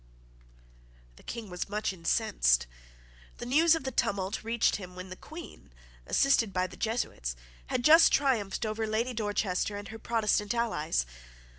The King was much incensed. The news of the tumult reached him when the Queen, assisted by the Jesuits, had just triumphed over Lady Dorchester and her Protestant allies.